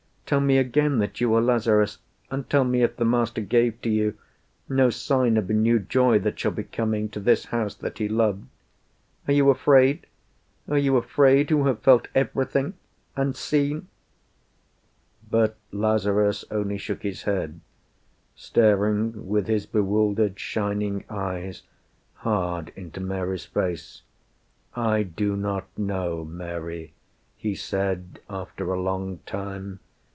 Tell me again that you are Lazarus; And tell me if the Master gave to you No sign of a new joy that shall be coming To this house that He loved. Are you afraid? Are you afraid, who have felt everything And seen ...?" But Lazarus only shook his head, Staring with his bewildered shining eyes Hard into Mary's face. "I do not know, Mary," he said, after a long time.